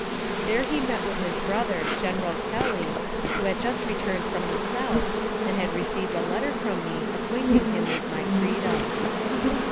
There he met with his brother, General Kelly, who had just returned from the South, and had received a letter from me, acquainting him with my freedom.